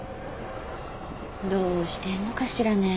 どうしてんのかしらねえ。